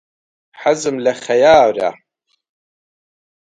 حەزم لە خەیارە.